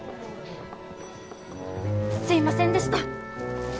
すいませんでした。